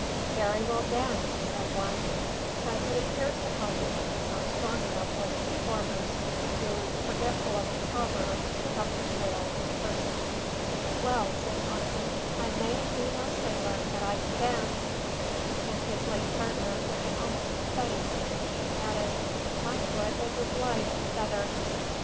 "Very well danced!" said one; but it appears the compliment was not strong enough for the performers, who (forgetful of the proverb) took up the tale in person. "Well," said Johnson. "I mayn't be no sailor, but I can dance!" And his late partner, with an almost pathetic conviction, added, "My foot is as light as a feather."